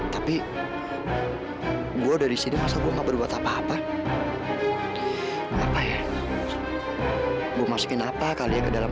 tapi gua udah disini masa gua nggak berbuat apa apa apa ya gue masukin apa kali ya ke dalam